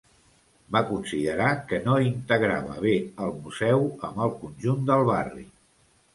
Va considerar que no integrava bé el museu amb el conjunt del barri.